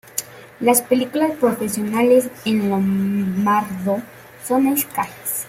Las películas profesionales en lombardo son escasas.